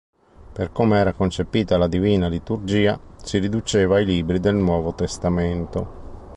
Per come era concepita la Divina liturgia, si riduceva ai libri del Nuovo Testamento.